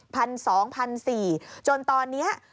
๑๒๐๐๑๔๐๐บาทจนตอนนี้